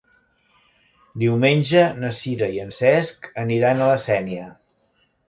Diumenge na Sira i en Cesc aniran a la Sénia.